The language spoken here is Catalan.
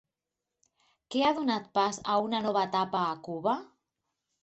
Què ha donat pas a una nova etapa a Cuba?